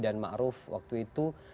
dan ma'ruf waktu itu